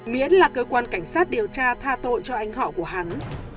miễn là cơ quan cảnh sát điều tra tha tội cho anh họ của hắn